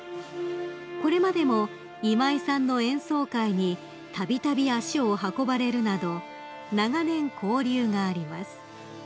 ［これまでも今井さんの演奏会にたびたび足を運ばれるなど長年交流があります］